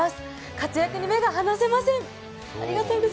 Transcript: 活躍に目が離せません。